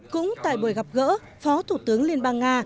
cũng tại buổi gặp gỡ phó thủ tướng liên bang nga